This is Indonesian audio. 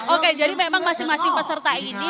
oke jadi memang masing masing peserta ini